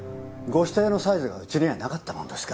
ご指定のサイズがうちにはなかったものですから。